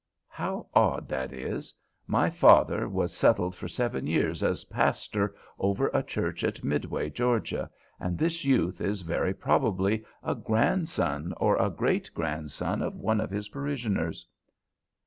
[How odd that is! My father was settled for seven years as pastor over the church at Midway, Georgia, and this youth is very probably a grandson or great grandson of one of his parishioners.